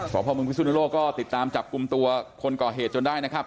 สวทพรรณมุมพิสุทธิ์ในโลกก็ติดตามจับกลุ่มตัวคนก่อเหตุจนได้นะครับ